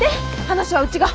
話はうちが。